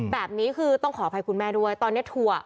แบบนี้คือต้องขออภัยคุณแม่ด้วยตอนนี้ทัวร์